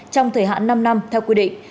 trong thời hạn năm năm theo quy định